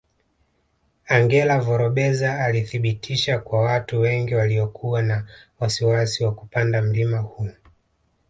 Angela Vorobeva alithibitisha kwa watu wengi waliokuwa na wasiwasi wa kupanda mlima huu